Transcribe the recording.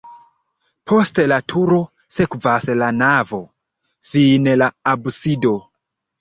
Post la turo sekvas la navo, fine la absido.